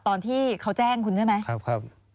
ตอนที่เขาแจ้งคุณใช่ไหมครับครับ